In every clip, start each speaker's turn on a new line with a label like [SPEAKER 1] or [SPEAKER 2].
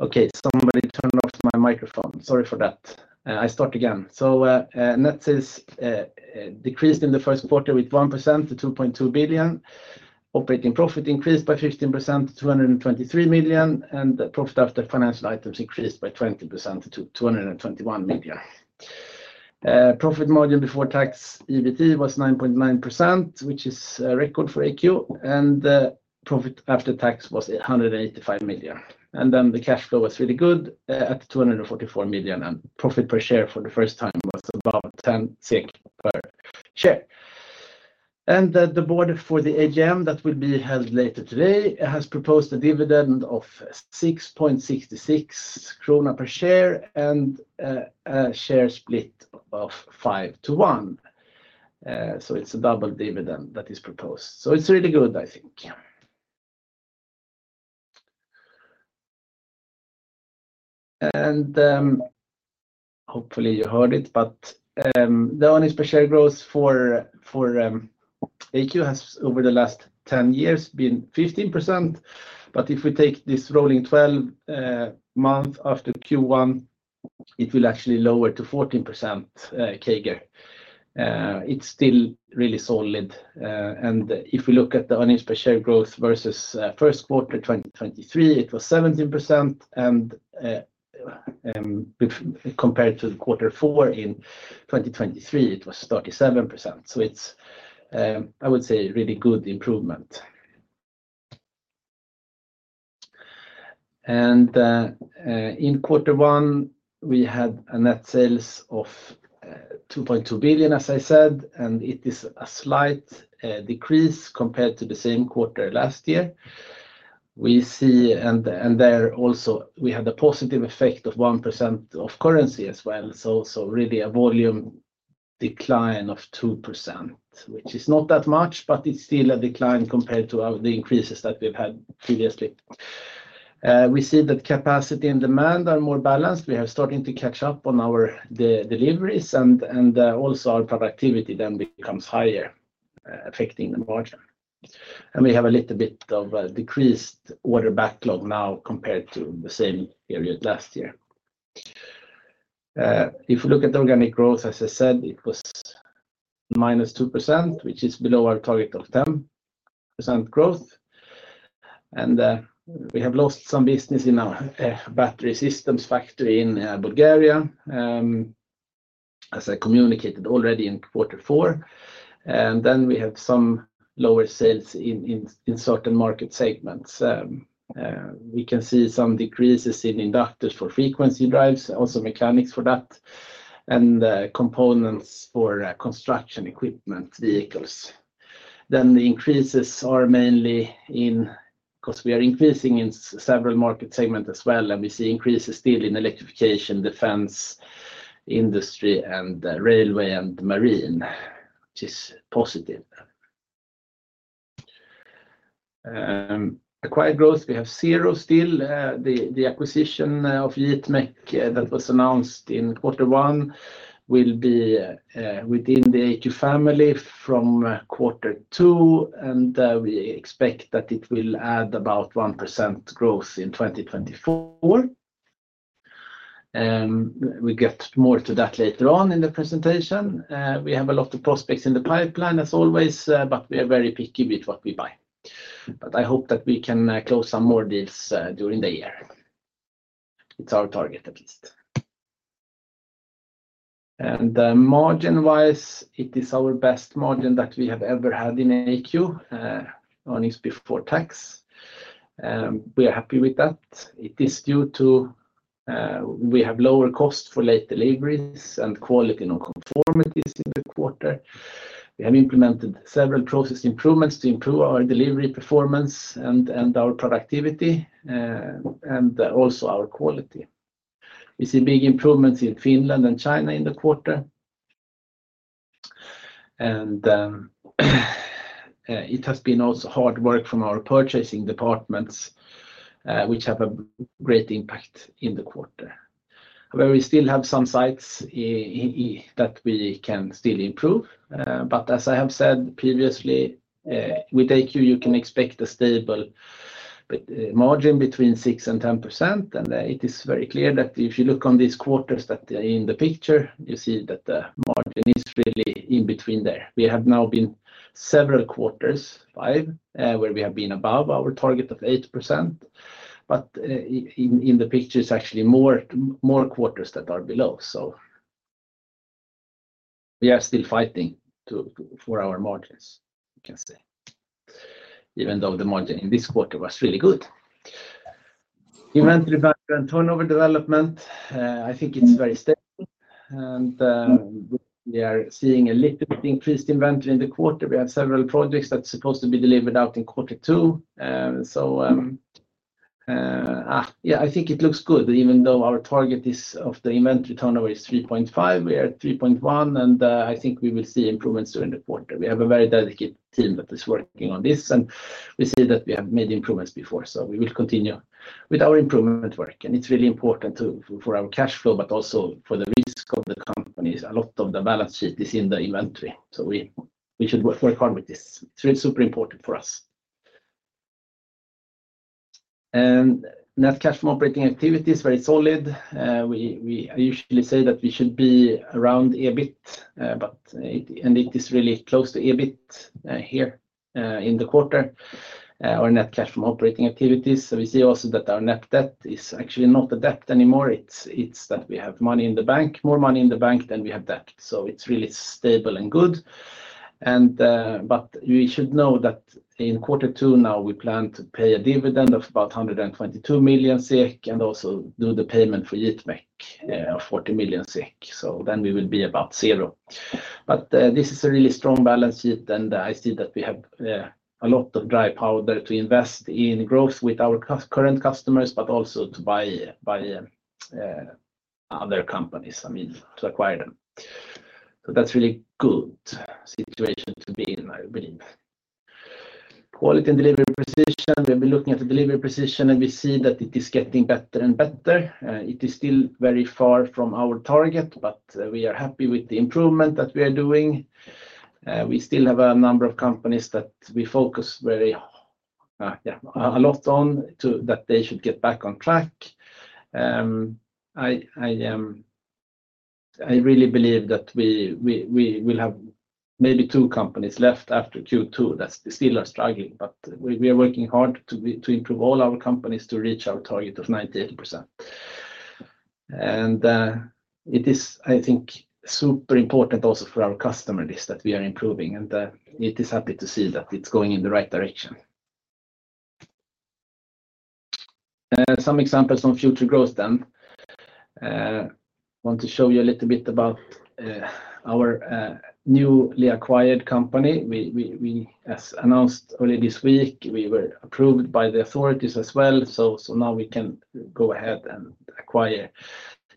[SPEAKER 1] Okay, somebody turned off my microphone. Sorry for that. I start again. So net sales decreased in the first quarter with 1% to 2.2 billion, operating profit increased by 15% to 223 million, and profit after financial items increased by 20% to 221 million. Profit margin before tax EBT was 9.9%, which is a record for AQ, and profit after tax was 185 million. And then the cash flow was really good at 244 million, and profit per share for the first time was about 10 SEK per share. And the board for the AGM that will be held later today has proposed a dividend of 6.66 krona per share and a share split of 5-to-1. So it's a double dividend that is proposed. So it's really good, I think. Hopefully you heard it, but the earnings per share growth for AQ has over the last 10 years been 15%, but if we take this rolling 12-month after Q1, it will actually lower to 14%, CAGR. It's still really solid. And if we look at the earnings per share growth versus first quarter 2023, it was 17%, and compared to quarter four in 2023, it was 37%. So it's, I would say, really good improvement. And in quarter one, we had a net sales of 2.2 billion, as I said, and it is a slight decrease compared to the same quarter last year. We see, and there also, we had a positive effect of 1% of currency as well, so really a volume decline of 2%, which is not that much, but it's still a decline compared to the increases that we've had previously. We see that capacity and demand are more balanced. We are starting to catch up on our deliveries, and also our productivity then becomes higher, affecting the margin. We have a little bit of decreased order backlog now compared to the same period last year. If we look at organic growth, as I said, it was -2%, which is below our target of 10% growth. We have lost some business in our battery systems factory in Bulgaria, as I communicated already in quarter four. We have some lower sales in certain market segments. We can see some decreases in inductors for frequency drives, also mechanics for that, and components for construction equipment vehicles. The increases are mainly in, because we are increasing in several market segments as well, and we see increases still in electrification, defense, industry, and railway and marine, which is positive. Acquired growth, we have zero still. The acquisition of JIT Mech that was announced in quarter one will be within the AQ family from quarter two, and we expect that it will add about 1% growth in 2024. We get more to that later on in the presentation. We have a lot of prospects in the pipeline, as always, but we are very picky with what we buy. But I hope that we can close some more deals during the year. It's our target, at least. And margin-wise, it is our best margin that we have ever had in AQ, earnings before tax. We are happy with that. It is due to we have lower costs for late deliveries and quality non-conformities in the quarter. We have implemented several process improvements to improve our delivery performance and our productivity, and also our quality. We see big improvements in Finland and China in the quarter. And it has been also hard work from our purchasing departments, which have a great impact in the quarter. However, we still have some sites that we can still improve. But as I have said previously, with AQ, you can expect a stable margin between 6% and 10%, and it is very clear that if you look on these quarters that are in the picture, you see that the margin is really in between there. We have now been several quarters, 5, where we have been above our target of 8%. But in the picture, it's actually more quarters that are below, so. We are still fighting for our margins, you can say, even though the margin in this quarter was really good. Inventory background, turnover development, I think it's very stable. We are seeing a little bit increased inventory in the quarter. We have several projects that are supposed to be delivered out in quarter two. Yeah, I think it looks good, even though our target of the inventory turnover is 3.5, we are at 3.1, and I think we will see improvements during the quarter. We have a very dedicated team that is working on this, and we see that we have made improvements before, so we will continue with our improvement work. It's really important for our cash flow, but also for the risk of the companies. A lot of the balance sheet is in the inventory, so we should work hard with this. It's really super important for us. Net cash from operating activity is very solid. We usually say that we should be around EBIT, and it is really close to EBIT here in the quarter, our net cash from operating activities. So we see also that our net debt is actually not a debt anymore. It's that we have money in the bank, more money in the bank than we have debt, so it's really stable and good. But we should know that in quarter two now, we plan to pay a dividend of about 122 million SEK and also do the payment for JIT Mech of 40 million SEK, so then we will be about zero. But this is a really strong balance sheet, and I see that we have a lot of dry powder to invest in growth with our current customers, but also to buy other companies, I mean, to acquire them. So that's a really good situation to be in, I believe. Quality and delivery precision, we've been looking at the delivery precision, and we see that it is getting better and better. It is still very far from our target, but we are happy with the improvement that we are doing. We still have a number of companies that we focus very, yeah, a lot on that they should get back on track. I really believe that we will have maybe two companies left after Q2 that still are struggling, but we are working hard to improve all our companies to reach our target of 98%. It is, I think, super important also for our customers that we are improving, and it is happy to see that it's going in the right direction. Some examples on future growth then. I want to show you a little bit about our newly acquired company. We, as announced earlier this week, we were approved by the authorities as well, so now we can go ahead and acquire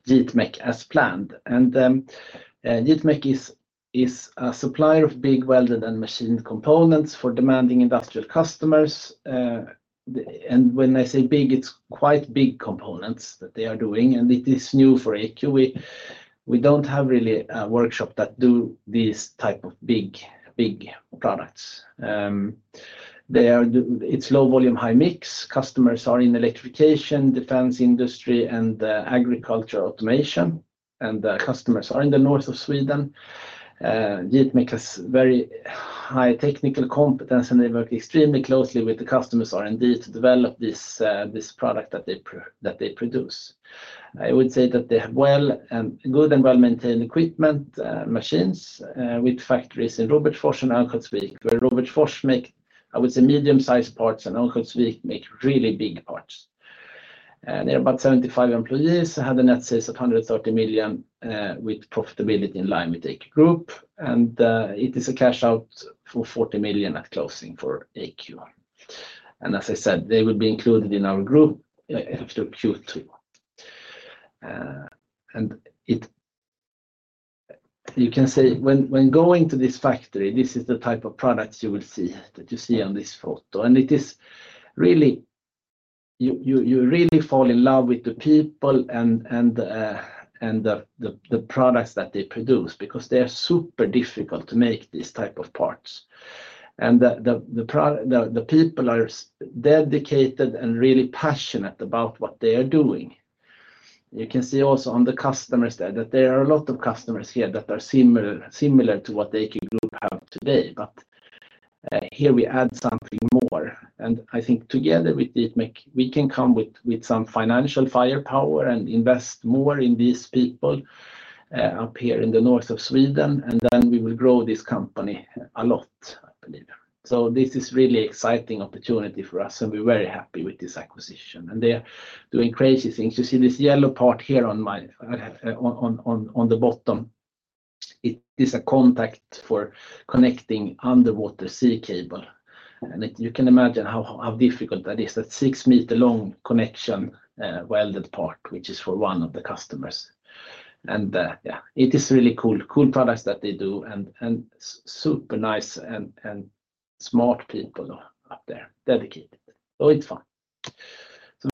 [SPEAKER 1] JIT Mech as planned. JIT Mech is a supplier of big welded and machined components for demanding industrial customers. When I say big, it's quite big components that they are doing, and it is new for AQ. We don't have really a workshop that do these types of big products. It's low volume, high mix. Customers are in electrification, defense industry, and agriculture automation, and customers are in the north of Sweden. JIT Mech has very high technical competence, and they work extremely closely with the customers' R&D to develop this product that they produce. I would say that they have good and well-maintained equipment machines with factories in Robertsfors and Örnsköldsvik, where Robertsfors makes, I would say, medium-sized parts, and Örnsköldsvik makes really big parts. They have about 75 employees, had net sales of 130 million with profitability in line with AQ Group, and it is a cash out for 40 million at closing for AQ. As I said, they will be included in our group after Q2. You can say when going to this factory, this is the type of products you will see that you see on this photo, and it is really you fall in love with the people and the products that they produce because they are super difficult to make these types of parts. The people are dedicated and really passionate about what they are doing. You can see also on the customers there that there are a lot of customers here that are similar to what AQ Group have today, but here we add something more. And I think together with JIT Mech, we can come with some financial firepower and invest more in these people up here in the north of Sweden, and then we will grow this company a lot, I believe. So this is a really exciting opportunity for us, and we're very happy with this acquisition. And they're doing crazy things. You see this yellow part here on the bottom. It is a contact for connecting underwater sea cable. And you can imagine how difficult that is, that six-meter-long connection welded part, which is for one of the customers. And yeah, it is really cool. Cool products that they do, and super nice and smart people up there, dedicated. So it's fun. So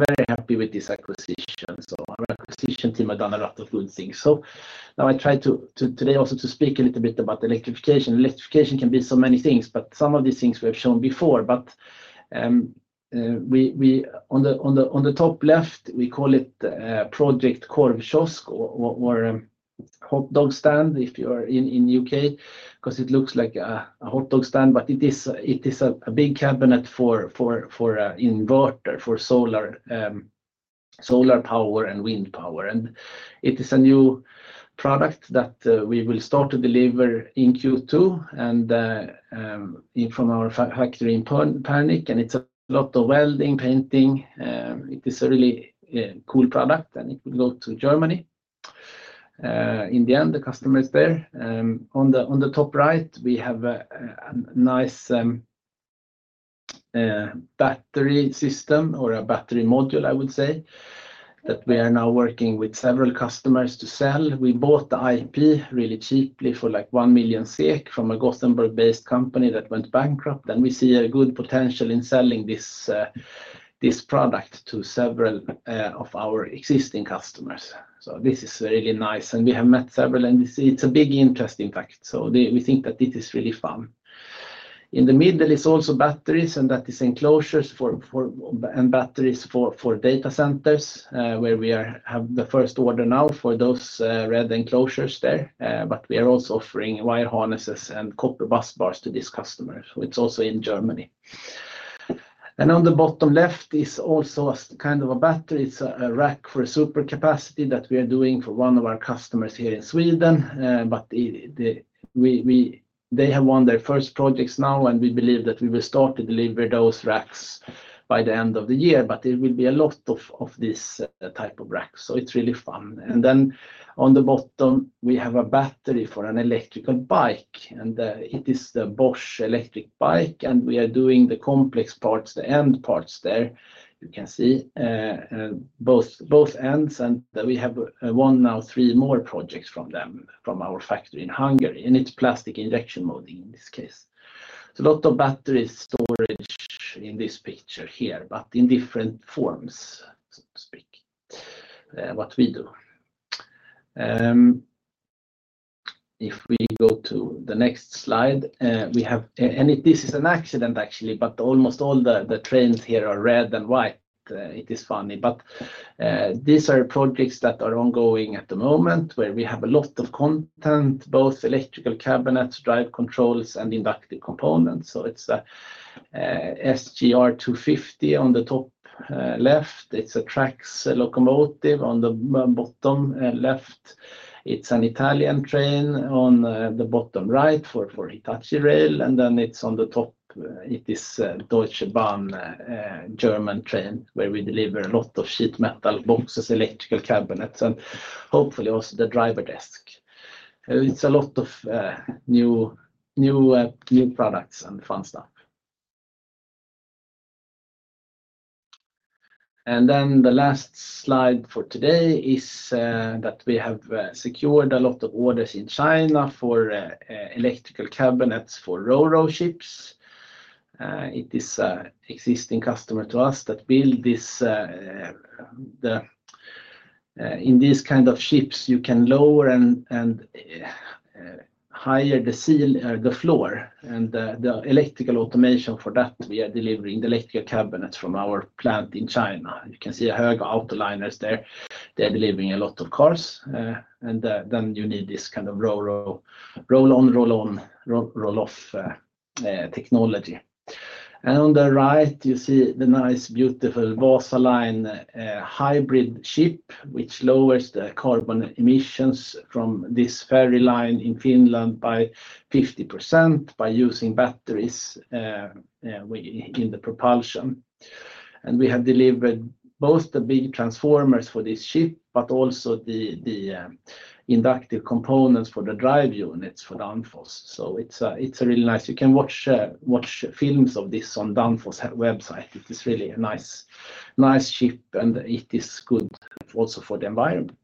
[SPEAKER 1] very happy with this acquisition. So our acquisition team have done a lot of good things. So now I try to today also to speak a little bit about electrification. Electrification can be so many things, but some of these things we have shown before. We, on the top left, we call it Project Korv Kiosk or Hot Dog Stand, if you're in the U.K., because it looks like a hot dog stand, but it is a big cabinet for inverter, for solar power and wind power. It is a new product that we will start to deliver in Q2 and from our factory in Pernik, and it's a lot of welding, painting. It is a really cool product, and it will go to Germany. In the end, the customer is there. On the top right, we have a nice battery system or a battery module, I would say, that we are now working with several customers to sell. We bought the IP really cheaply for like 1 million SEK from a Gothenburg-based company that went bankrupt. We see a good potential in selling this product to several of our existing customers. This is really nice, and we have met several, and it's a big interest, in fact. We think that it is really fun. In the middle is also batteries, and that is enclosures and batteries for data centers, where we have the first order now for those red enclosures there. But we are also offering wire harnesses and copper bus bars to these customers. It's also in Germany. On the bottom left is also kind of a battery. It's a rack for a supercapacitor that we are doing for one of our customers here in Sweden. But they have won their first projects now, and we believe that we will start to deliver those racks by the end of the year. But there will be a lot of these types of racks, so it's really fun. Then on the bottom, we have a battery for an electric bike, and it is the Bosch electric bike, and we are doing the complex parts, the end parts there, you can see, both ends. And we have won now 3 more projects from them from our factory in Hungary, and it's plastic injection molding in this case. So a lot of battery storage in this picture here, but in different forms, so to speak, what we do. If we go to the next slide, we have, and this is an accident, actually, but almost all the trains here are red and white. It is funny. But these are projects that are ongoing at the moment, where we have a lot of content, both electrical cabinets, drive controls, and inductive components. So it's an EC 250 on the top left. It's a TRAXX locomotive on the bottom left. It's an Italian train on the bottom right for Hitachi Rail, and then it's on the top, it is Deutsche Bahn, German train, where we deliver a lot of sheet metal boxes, electrical cabinets, and hopefully also the driver desk. It's a lot of new products and fun stuff. And then the last slide for today is that we have secured a lot of orders in China for electrical cabinets for RORO ships. It is an existing customer to us that builds this. In these kinds of ships, you can lower and higher the ceiling or the floor, and the electrical automation for that, we are delivering the electrical cabinets from our plant in China. You can see a Höegh Autoliners there. They are delivering a lot of cars, and then you need this kind of RORO, roll on, roll on, roll off technology. And on the right, you see the nice, beautiful Wasaline hybrid ship, which lowers the carbon emissions from this ferry line in Finland by 50% by using batteries in the propulsion. And we have delivered both the big transformers for this ship, but also the inductive components for the drive units for Danfoss. So it's really nice. You can watch films of this on Danfoss' website. It is really a nice ship, and it is good also for the environment.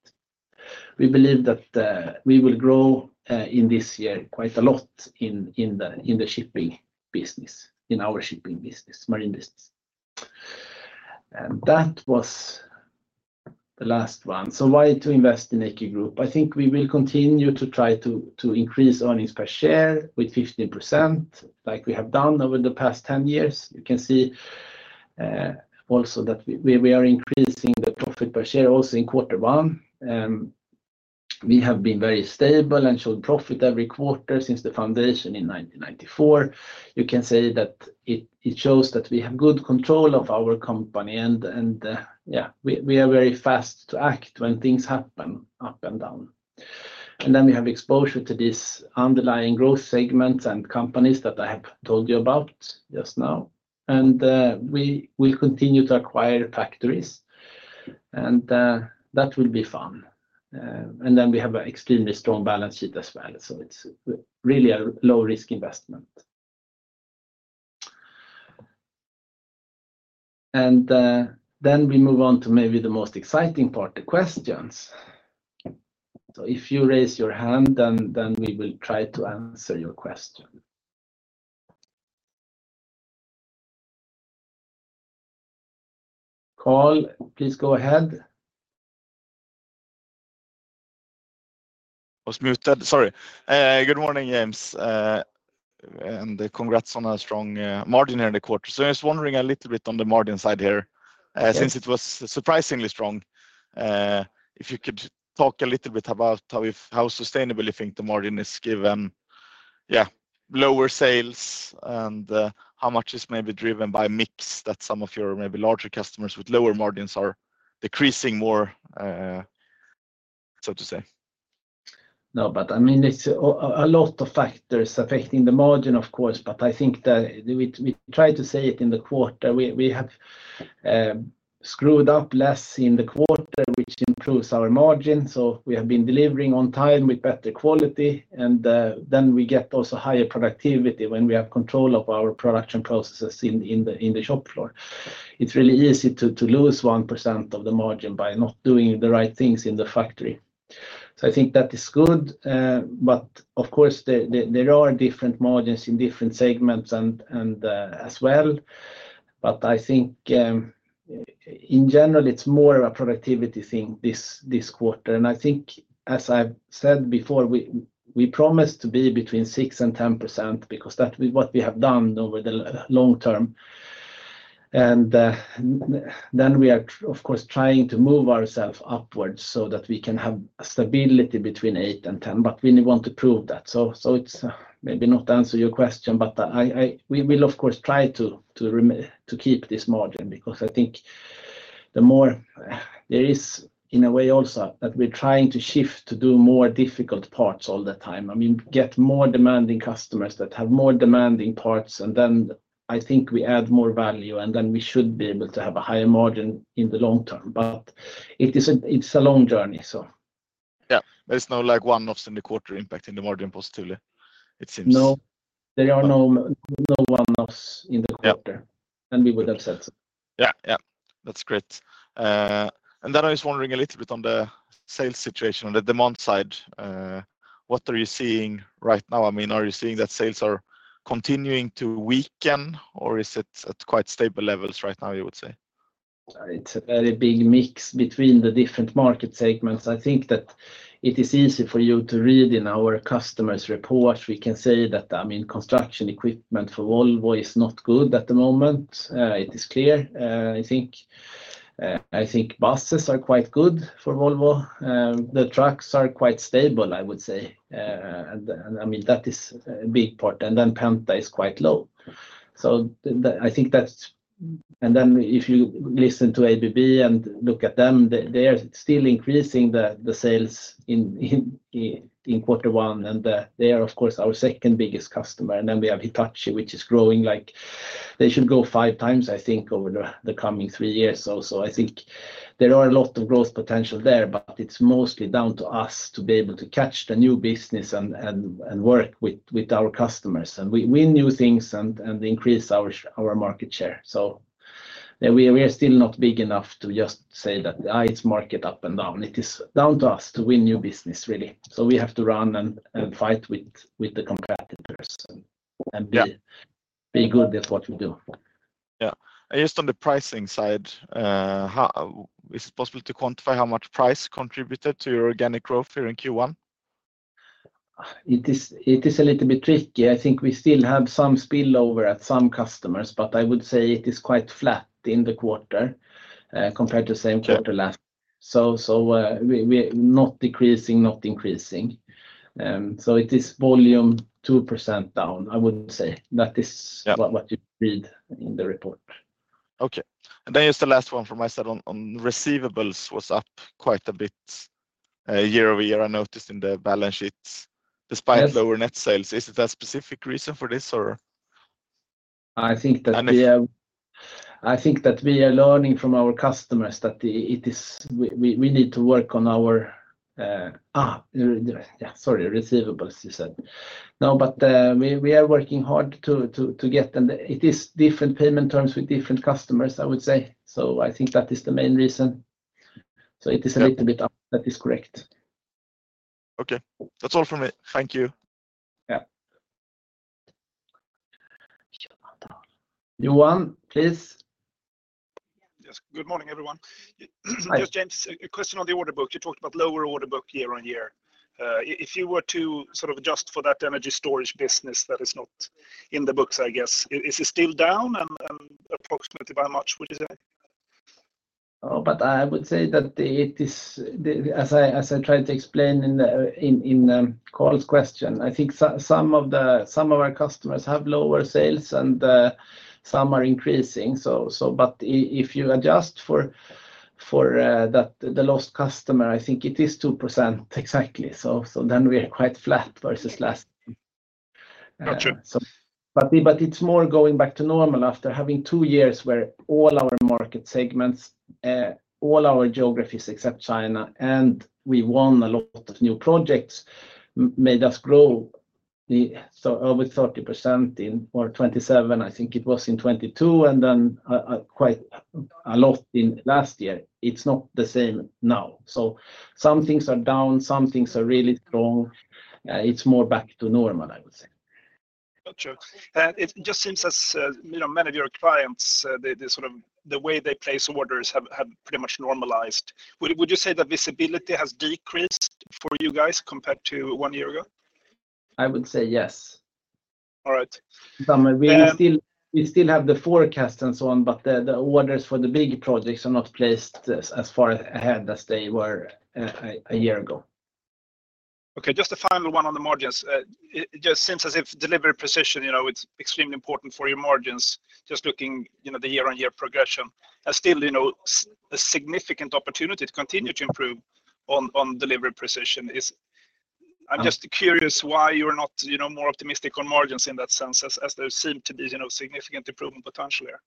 [SPEAKER 1] We believe that we will grow in this year quite a lot in the shipping business, in our shipping business, marine business. And that was the last one. So why to invest in AQ Group? I think we will continue to try to increase earnings per share with 15%, like we have done over the past 10 years. You can see also that we are increasing the profit per share also in quarter one. We have been very stable and showed profit every quarter since the foundation in 1994. You can say that it shows that we have good control of our company, and yeah, we are very fast to act when things happen up and down. And then we have exposure to these underlying growth segments and companies that I have told you about just now. And we will continue to acquire factories, and that will be fun. And then we have an extremely strong balance sheet as well, so it's really a low-risk investment. And then we move on to maybe the most exciting part, the questions. So if you raise your hand, then we will try to answer your question. Karl, please go ahead.
[SPEAKER 2] I was muted, sorry. Good morning, James, and congrats on a strong margin here in the quarter. So I was wondering a little bit on the margin side here, since it was surprisingly strong, if you could talk a little bit about how sustainable you think the margin is given, yeah, lower sales, and how much is maybe driven by a mix that some of your maybe larger customers with lower margins are decreasing more, so to say.
[SPEAKER 1] No, but I mean, it's a lot of factors affecting the margin, of course, but I think that we try to say it in the quarter. We have screwed up less in the quarter, which improves our margin, so we have been delivering on time with better quality, and then we get also higher productivity when we have control of our production processes in the shop floor. It's really easy to lose 1% of the margin by not doing the right things in the factory. So I think that is good, but of course, there are different margins in different segments as well, but I think in general, it's more of a productivity thing this quarter. And I think, as I've said before, we promised to be between 6% and 10% because that's what we have done over the long term. And then we are, of course, trying to move ourselves upwards so that we can have stability between 8%-10%, but we want to prove that. So it's maybe not to answer your question, but we will, of course, try to keep this margin because I think the more there is, in a way, also that we're trying to shift to do more difficult parts all the time. I mean, get more demanding customers that have more demanding parts, and then I think we add more value, and then we should be able to have a higher margin in the long term. But it's a long journey, so.
[SPEAKER 2] Yeah, there's no one-offs in the quarter impact in the margin positively, it seems.
[SPEAKER 1] No, there are no one-offs in the quarter. Then we would have said so.
[SPEAKER 2] Yeah, yeah, that's great. And then I was wondering a little bit on the sales situation, on the demand side. What are you seeing right now? I mean, are you seeing that sales are continuing to weaken, or is it at quite stable levels right now, you would say?
[SPEAKER 1] It's a very big mix between the different market segments. I think that it is easy for you to read in our customers' reports. We can say that, I mean, construction equipment for Volvo is not good at the moment. It is clear, I think. I think buses are quite good for Volvo. The trucks are quite stable, I would say. And I mean, that is a big part. And then Penta is quite low. So I think that's. And then if you listen to ABB and look at them, they are still increasing the sales in quarter one, and they are, of course, our second biggest customer. And then we have Hitachi, which is growing like they should go 5x, I think, over the coming three years or so. So I think there are a lot of growth potential there, but it's mostly down to us to be able to catch the new business and work with our customers and win new things and increase our market share. So we are still not big enough to just say that it's market up and down. It is down to us to win new business, really. So we have to run and fight with the competitors and be good at what we do.
[SPEAKER 2] Yeah. Just on the pricing side, is it possible to quantify how much price contributed to your organic growth here in Q1?
[SPEAKER 1] It is a little bit tricky. I think we still have some spillover at some customers, but I would say it is quite flat in the quarter compared to the same quarter last. So not decreasing, not increasing. So it is volume 2% down, I would say. That is what you read in the report.
[SPEAKER 2] Okay. And then just the last one from my side on receivables was up quite a bit year over year, I noticed, in the balance sheets, despite lower net sales. Is it a specific reason for this, or?
[SPEAKER 1] I think that we are learning from our customers that we need to work on our, yeah, sorry, receivables, you said. No, but we are working hard to get, and it is different payment terms with different customers, I would say. So I think that is the main reason. So it is a little bit up, that is correct.
[SPEAKER 2] Okay. That's all from me. Thank you.
[SPEAKER 1] Yeah. Johan, please.
[SPEAKER 2] Yes. Good morning, everyone. Just James, a question on the order book. You talked about lower order book year-on-year. If you were to sort of adjust for that energy storage business that is not in the books, I guess, is it still down, and approximately by much, would you say?
[SPEAKER 1] Oh, but I would say that it is, as I tried to explain in Karl's question, I think some of our customers have lower sales, and some are increasing. But if you adjust for the lost customer, I think it is 2% exactly. So then we are quite flat versus last year. But it's more going back to normal after having two years where all our market segments, all our geographies except China, and we won a lot of new projects made us grow over 30% in, or 27%, I think it was in 2022, and then quite a lot in last year. It's not the same now. So some things are down, some things are really strong. It's more back to normal, I would say.
[SPEAKER 2] Gotcha. It just seems as many of your clients, the way they place orders have pretty much normalized. Would you say that visibility has decreased for you guys compared to one year ago?
[SPEAKER 1] I would say yes.
[SPEAKER 2] All right.
[SPEAKER 1] We still have the forecast and so on, but the orders for the big projects are not placed as far ahead as they were a year ago.
[SPEAKER 2] Okay. Just a final one on the margins. It just seems as if delivery precision, it's extremely important for your margins, just looking at the year-on-year progression. And still, a significant opportunity to continue to improve on delivery precision is. I'm just curious why you're not more optimistic on margins in that sense, as there seemed to be significant improvement potentially here?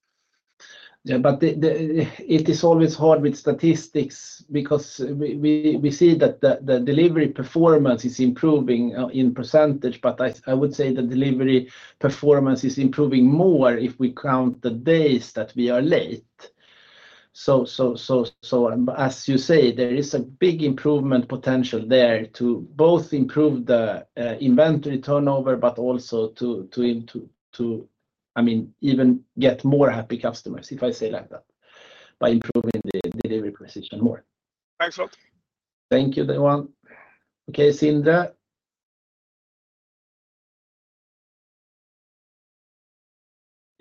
[SPEAKER 1] Yeah, but it is always hard with statistics because we see that the delivery performance is improving in percentage, but I would say the delivery performance is improving more if we count the days that we are late. So as you say, there is a big improvement potential there to both improve the inventory turnover, but also to, I mean, even get more happy customers, if I say like that, by improving the delivery precision more.
[SPEAKER 2] Thanks a lot.
[SPEAKER 1] Thank you, Johan. Okay, Sindre.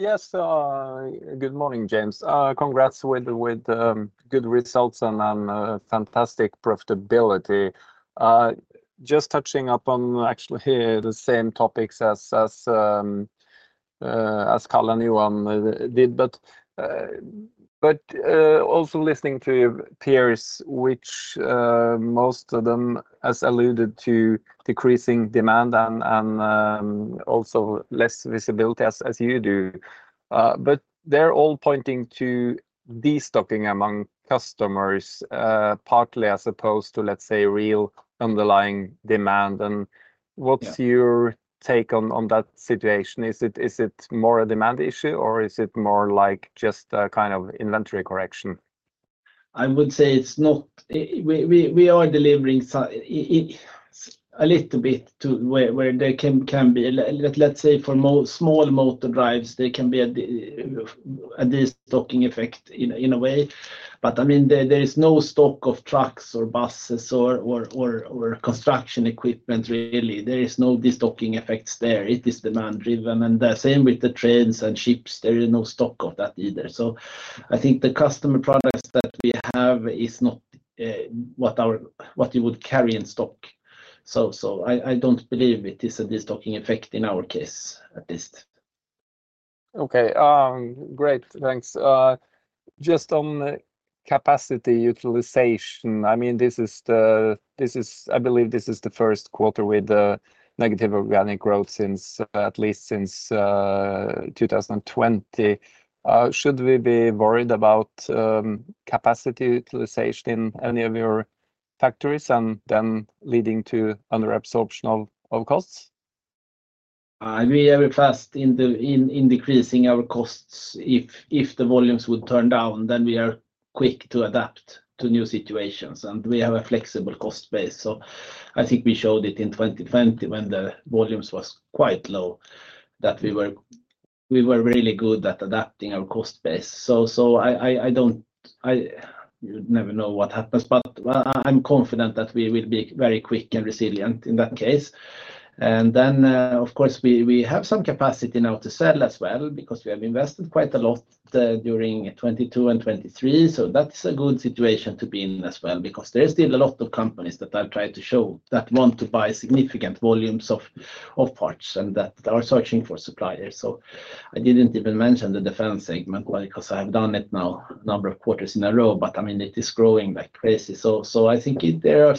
[SPEAKER 2] Yes. Good morning, James. Congrats with good results and fantastic profitability. Just touching upon actually here the same topics as Karl and Johan did, but also listening to peers, which most of them have alluded to decreasing demand and also less visibility as you do. But they're all pointing to destocking among customers, partly as opposed to, let's say, real underlying demand. And what's your take on that situation? Is it more a demand issue, or is it more like just a kind of inventory correction?
[SPEAKER 1] I would say it's not. We are delivering a little bit where there can be, let's say, for small motor drives, there can be a destocking effect in a way. But I mean, there is no stock of trucks or buses or construction equipment, really. There is no destocking effects there. It is demand-driven. And the same with the trains and ships. There is no stock of that either. So I think the customer products that we have is not what you would carry in stock. So I don't believe it is a destocking effect in our case, at least.
[SPEAKER 2] Okay. Great. Thanks. Just on capacity utilization, I mean, I believe this is the first quarter with negative organic growth, at least since 2020. Should we be worried about capacity utilization in any of your factories and then leading to underabsorption of costs?
[SPEAKER 1] We are fast in decreasing our costs. If the volumes would turn down, then we are quick to adapt to new situations, and we have a flexible cost base. So I think we showed it in 2020 when the volumes were quite low, that we were really good at adapting our cost base. So I don't, you never know what happens, but I'm confident that we will be very quick and resilient in that case. And then, of course, we have some capacity now to sell as well because we have invested quite a lot during 2022 and 2023. So that's a good situation to be in as well because there are still a lot of companies that I've tried to show that want to buy significant volumes of parts and that are searching for suppliers. So I didn't even mention the defense segment because I have done it now a number of quarters in a row, but I mean, it is growing like crazy. So I think there are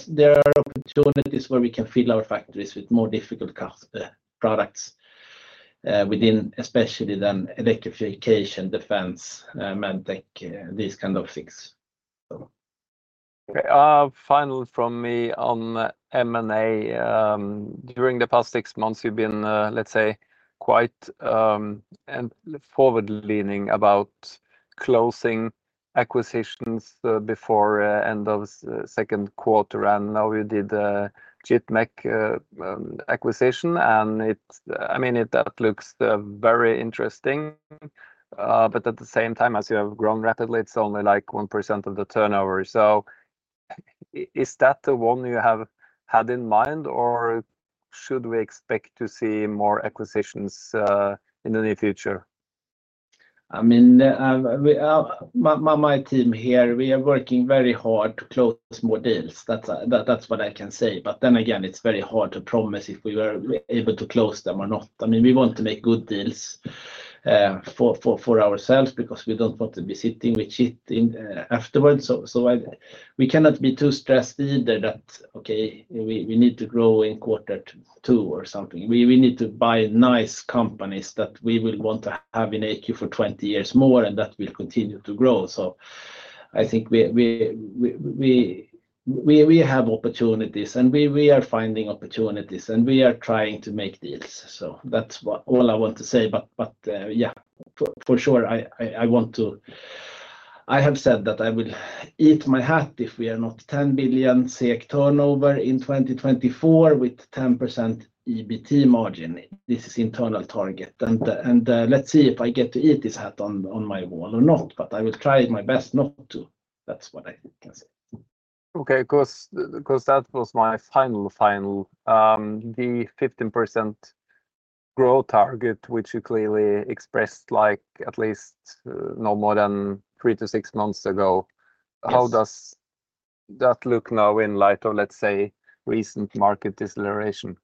[SPEAKER 1] opportunities where we can fill our factories with more difficult products, especially then electrification, defense, medtech, these kind of things.
[SPEAKER 2] Okay. Final from me on M&A. During the past six months, you've been, let's say, quite forward-leaning about closing acquisitions before the end of the second quarter. And now you did a JIT Mech acquisition, and I mean, that looks very interesting. But at the same time, as you have grown rapidly, it's only like 1% of the turnover. So is that the one you have had in mind, or should we expect to see more acquisitions in the near future?
[SPEAKER 1] I mean, my team here, we are working very hard to close more deals. That's what I can say. But then again, it's very hard to promise if we are able to close them or not. I mean, we want to make good deals for ourselves because we don't want to be sitting with shit afterwards. So we cannot be too stressed either that, okay, we need to grow in quarter two or something. We need to buy nice companies that we will want to have in AQ for 20 years more, and that will continue to grow. So I think we have opportunities, and we are finding opportunities, and we are trying to make deals. So that's all I want to say. But yeah, for sure, I have said that I will eat my hat if we are not 10 billion turnover in 2024 with 10% EBT margin. This is internal target. And let's see if I get to eat this hat on my wall or not, but I will try my best not to. That's what I can say.
[SPEAKER 2] Okay. Because that was my final, final, the 15% growth target, which you clearly expressed like at least no more than three-to-six months ago. How does that look now in light of, let's say, recent market dislocation?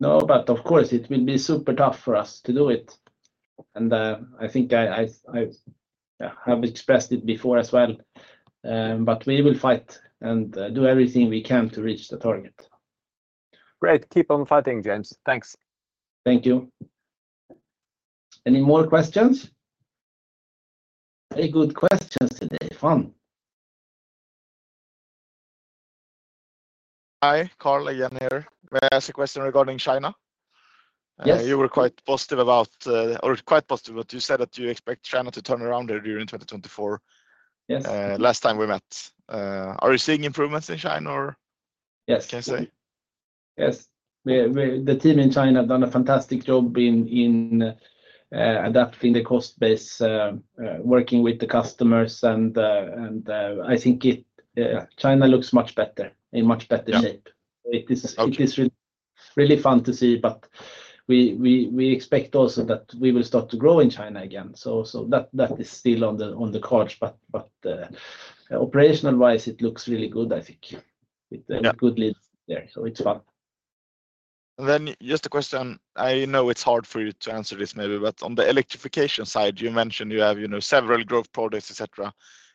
[SPEAKER 1] No, but of course, it will be super tough for us to do it. I think I have expressed it before as well. We will fight and do everything we can to reach the target.
[SPEAKER 2] Great. Keep on fighting, James. Thanks.
[SPEAKER 1] Thank you. Any more questions? Very good questions today. Fun.
[SPEAKER 2] Hi. Karl again here. May I ask a question regarding China? You were quite positive about, or quite positive, but you said that you expect China to turn around here during 2024, last time we met. Are you seeing improvements in China, or can you say?
[SPEAKER 1] Yes. The team in China have done a fantastic job in adapting the cost base, working with the customers. And I think China looks much better, in much better shape. It is really fun to see, but we expect also that we will start to grow in China again. So that is still on the cards. But operational-wise, it looks really good, I think, with good leadership there. So it's fun.
[SPEAKER 2] Then just a question. I know it's hard for you to answer this maybe, but on the electrification side, you mentioned you have several growth products, etc.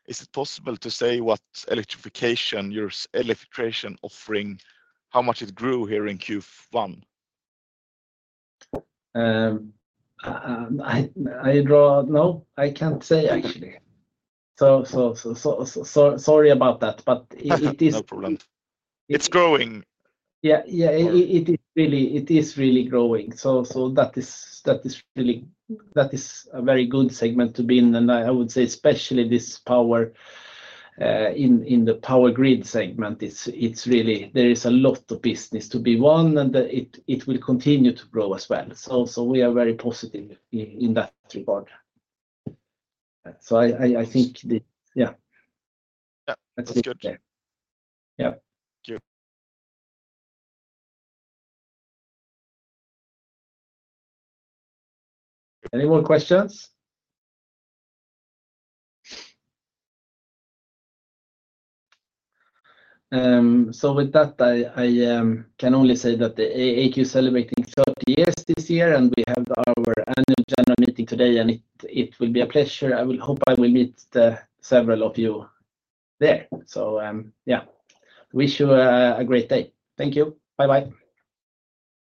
[SPEAKER 2] Is it possible to say what electrification, your electrification offering, how much it grew here in Q1?
[SPEAKER 1] I draw out. No, I can't say, actually. So sorry about that, but it is.
[SPEAKER 2] No problem. It's growing.
[SPEAKER 1] Yeah. Yeah. It is really growing. So that is really a very good segment to be in. And I would say especially this power in the power grid segment, there is a lot of business to be won, and it will continue to grow as well. So we are very positive in that regard. So I think, yeah.
[SPEAKER 2] Yeah. That's good.
[SPEAKER 1] Yeah.
[SPEAKER 2] Good. Any more questions?
[SPEAKER 1] With that, I can only say that AQ is celebrating 30 years this year, and we have our annual general meeting today, and it will be a pleasure. I hope I will meet several of you there. So yeah. Wish you a great day. Thank you. Bye-bye.